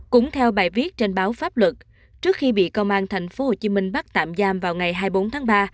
cũng theo bài viết trên báo pháp luật trước khi bị công an thành phố hồ chí minh bắt tạm giam vào ngày hai mươi bốn tháng ba